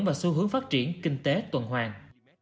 và xu hướng phát triển kinh tế tuần hoàng